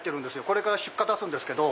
これから出荷出すんですけど。